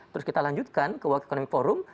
terus kita lanjutkan ke world economy forum